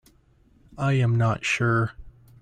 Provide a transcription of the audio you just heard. I am not sure.